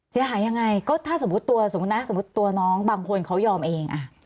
เสียหายยังไงก็ถ้าสมมุติตัวน้องบางคนเขายอมเอง